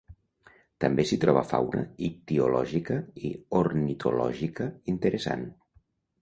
També s’hi troba fauna ictiològica i ornitològica interessant.